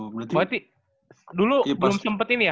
berarti dulu belum sempat ini ya